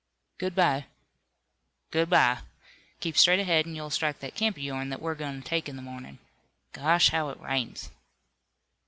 "Good bye." "Good bye. Keep straight ahead an' you'll strike that camp of yourn that we're goin' to take in the mornin'. Gosh, how it rains!"